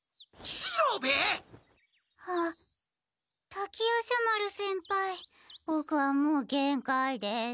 滝夜叉丸先輩ボクはもうげんかいです。